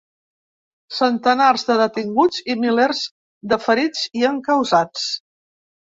Centenars de detinguts i milers de ferits i encausats.